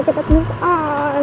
gak apa apa kan aku pelukan